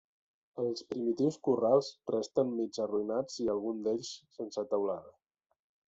Els primitius corrals resten mig arruïnats i algun d'ells sense teulada.